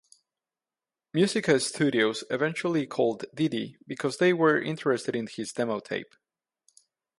Musica Studios eventually called Didi because they were interested in his demo tape.